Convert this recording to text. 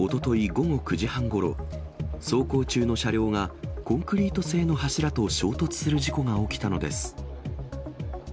午後９時半ごろ、走行中の車両が、コンクリート製の柱と衝突する事故が起きたのです。